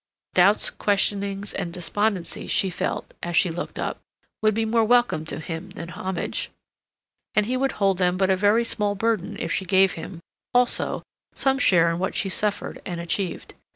Doubts, questionings, and despondencies she felt, as she looked up, would be more welcome to him than homage, and he would hold them but a very small burden if she gave him, also, some share in what she suffered and achieved.